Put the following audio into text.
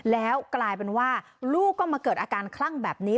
แล้วกลายเป็นว่าลูกก็มาเกิดอาการคลั่งแบบนี้